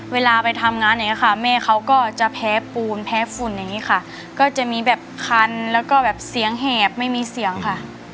เวลาไปทำงานอย่างนี้ค่ะแม่เขาก็จะแพ้ปูนแพ้ฝุ่นอย่างนี้ค่ะก็จะมีแบบคันแล้วก็แบบเสียงแหบไม่มีเสียงค่ะ